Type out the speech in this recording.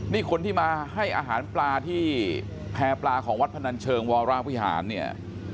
นี่คนที่มาให้อาหารปลาที่แพร่ปลาของวัดพนันเชิงวรวิหารเนี่ย